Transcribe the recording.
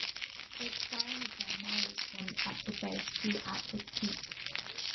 Its diameter narrows from at the base to at its peak.